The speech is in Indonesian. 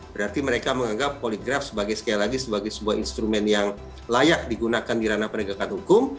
berarti mereka menganggap poligraf sebagai sekali lagi sebagai sebuah instrumen yang layak digunakan di ranah penegakan hukum